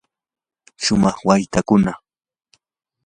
shumaq waytakuna.